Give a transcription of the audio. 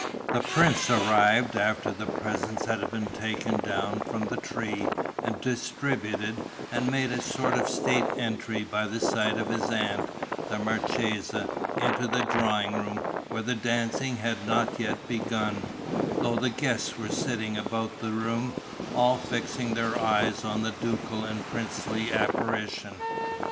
The prince arrived after the presents had been taken down from the tree and distributed and made a sort of state entry by the side of his aunt, the marchesa, into the drawing room, where the dancing had not yet begun, though the guests were sitting about the room, all fixing their eyes on the ducal and princely apparition.